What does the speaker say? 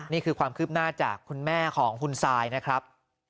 นี่คือความคืบหน้าจากคุณแม่ของคุณซายนะครับ